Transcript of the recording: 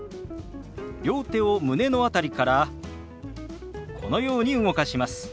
両手を胸の辺りからこのように動かします。